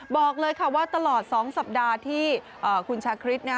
บอกเลยค่ะว่าตลอด๒สัปดาห์ที่คุณชาคริส